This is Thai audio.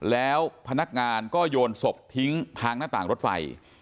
แล้วพนักงานก็โยนศพทิ้งทางหน้าต่างรถไฟ